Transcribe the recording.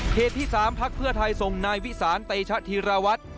เขตที่สามภักดิ์เพื่อไทยทรงนายวิสานเตชะธิรวัต